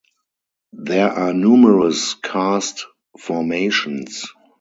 There are numerous karst formations.